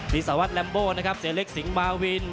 บิสวรรค์ลัมโบเสล็กสิงห์มาวีน